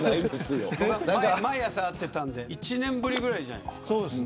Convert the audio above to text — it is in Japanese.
毎朝、会ってたんで１年ぶりぐらいじゃないですか。